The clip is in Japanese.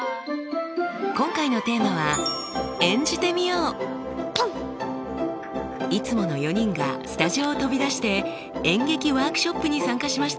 今回のテーマはいつもの４人がスタジオを飛び出して演劇ワークショップに参加しました。